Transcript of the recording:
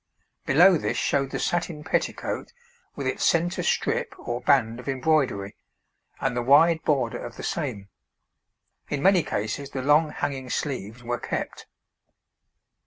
Below this showed the satin petticoat with its centre strip or band of embroidery, and the wide border of the same. In many cases the long hanging sleeves were kept.